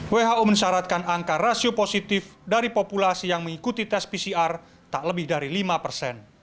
who mensyaratkan angka rasio positif dari populasi yang mengikuti tes pcr tak lebih dari lima persen